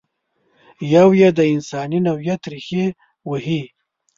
یو یې د انساني نوعیت ریښې وهي.